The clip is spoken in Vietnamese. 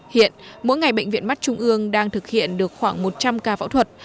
hiện mỗi ngày bệnh viện mắt trung ương đang thực hiện được khoảng một trăm linh ca phẫu thuật